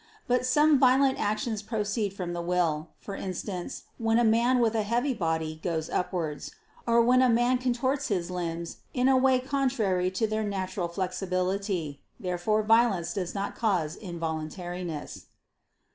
But some violent actions proceed from the will: for instance, when a man with a heavy body goes upwards; or when a man contorts his limbs in a way contrary to their natural flexibility. Therefore violence does not cause involuntariness.